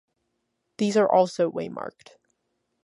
These are also waymarked.